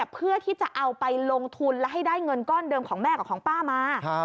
เพื่อที่จะเอาไปลงทุนและให้ได้เงินก้อนเดิมของแม่กับของป้ามา